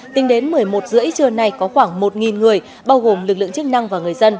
tính đến một mươi một h ba mươi trưa nay có khoảng một người bao gồm lực lượng chức năng và người dân